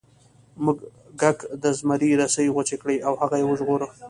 موږک د زمري رسۍ غوڅې کړې او هغه یې وژغوره.